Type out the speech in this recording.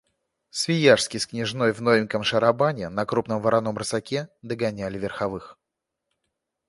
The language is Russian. Свияжский с княжной в новеньком шарабане на крупном вороном рысаке догоняли верховых.